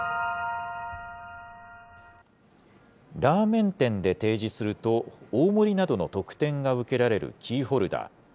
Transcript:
ラーメン店で提示すると、大盛りなどの特典が受けられるキーホルダー。